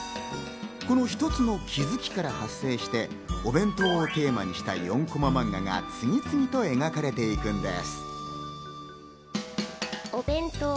この一つの気づきから派生して、お弁当をテーマにした４コママンガが次々と描かれていくんです。